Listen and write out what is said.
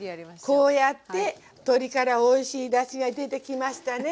こうやって鶏からおいしいだしが出てきましたね